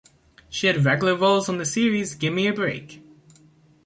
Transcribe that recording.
She had regular roles on the series Gimme a Break!